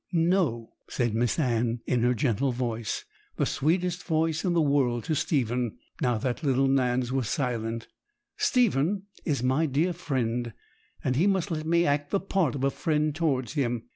'No,' said Miss Anne, in her gentle voice, the sweetest voice in the world to Stephen, now little Nan's was silent; 'Stephen is my dear friend, and he must let me act the part of a friend towards him.